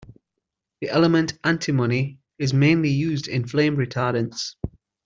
The element antimony is mainly used in flame retardants.